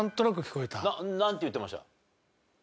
なんて言ってました？